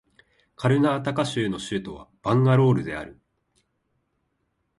カルナータカ州の州都はバンガロールである